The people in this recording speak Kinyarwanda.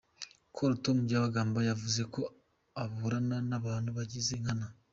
Col Tom Byabagamba yavuze ko aburana n’abantu bigiza nkana.